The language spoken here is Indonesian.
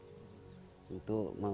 yang kedua itu air bersih